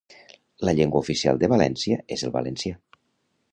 La llengua oficial de València és el valencià.